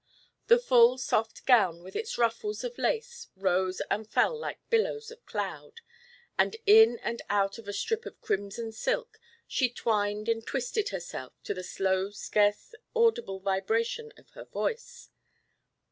The full soft gown with its ruffles of lace rose and fell like billows of cloud, and in and out of a strip of crimson silk she twined and twisted herself to the slow scarce audible vibration of her voice.